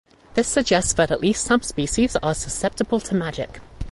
This suggests that at least some species are succeptible to magic.